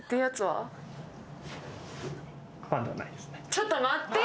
ちょっと待って。